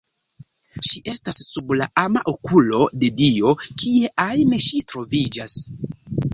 Ŝi estas sub la ama okulo de Dio, kie ajn ŝi troviĝas.